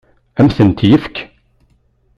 Ad m-tent-yefk?